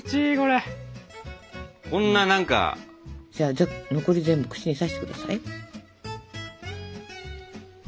じゃあ残り全部串に刺して下さい。